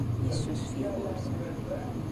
Yessusef Yugurten.